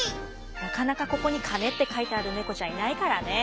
なかなかここに「金」って書いてある猫ちゃんいないからね。